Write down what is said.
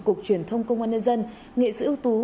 cục truyền thông công an nhân dân nghệ sĩ ưu tú